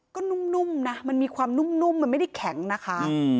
ก็นุ่มนะมันมีความนุ่มมันไม่ได้แข็งนะคะ